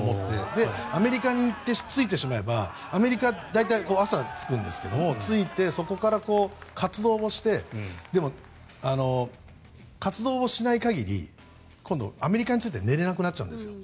アメリカに行って着いてしまえば、アメリカは朝に大体、着くんですが着いて、そこから活動をしてでも、活動をしない限り今度、アメリカに着いたら寝れなくなっちゃうんです。